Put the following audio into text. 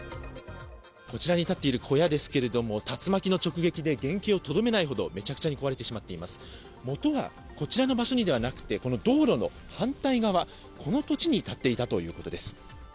こちらに立っている小屋ですけれども竜巻の直撃で原形をとどめないほどめちゃくちゃに壊れてしまっています元がこちらの場所にではなくてこの道路の反対側この土地に建っていたということです